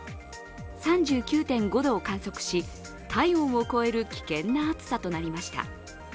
３９．５度を観測し、体温を超える危険な暑さとなりました。